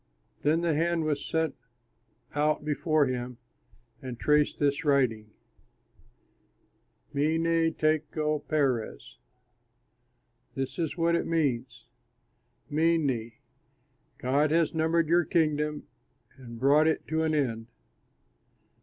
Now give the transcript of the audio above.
"Then the hand was sent out before him and traced this writing: MENE, TEKEL, PERES "This is what it means: Mene: God has numbered your kingdom and brought it to an end.